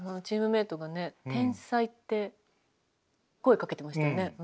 チームメートがね「天才」って声かけてましたね。